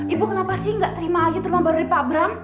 ibu kenapa sih ga terima aja terlalu baru dari pak bram